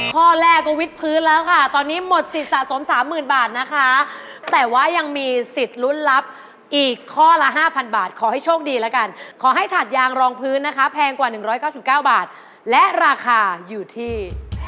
ข้อแรกก็วิทพื้นแล้วค่ะตอนนี้หมดสิทธิ์สะสม๓๐๐๐บาทนะคะแต่ว่ายังมีสิทธิ์ลุ้นรับอีกข้อละ๕๐๐บาทขอให้โชคดีแล้วกันขอให้ถาดยางรองพื้นนะคะแพงกว่า๑๙๙บาทและราคาอยู่ที่